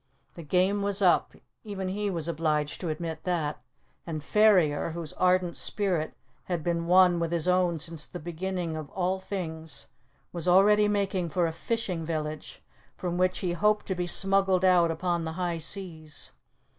The game was up even he was obliged to admit that and Ferrier, whose ardent spirit had been one with his own since the beginning of all things, was already making for a fishing village, from which he hoped to be smuggled out upon the high seas.